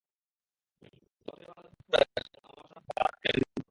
অতএব, আমার ইবাদত কর এবং আমার স্মরণার্থে সালাত কায়েম কর।